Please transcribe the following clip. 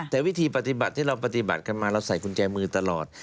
แต่วิธีปฏิบัติที่เราปฏิบัติกันมาเราใส่กุญแจมือตลอด